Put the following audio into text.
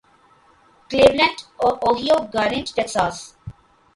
Cleveland Ohio گارینڈ Texas